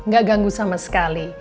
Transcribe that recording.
gak ganggu sama sekali